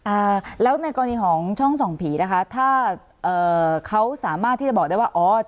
อ่าแล้วในกรณีของช่องส่องผีนะคะถ้าเอ่อเขาสามารถที่จะบอกได้ว่าอ๋อ